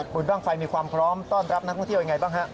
บรรณะว่างไฟมีความพร้อมต้อนรับนักเวก้วเที่ยวอย่างไรบ้างครับ